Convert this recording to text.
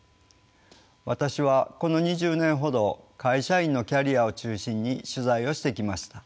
私はこの２０年ほど会社員のキャリアを中心に取材をしてきました。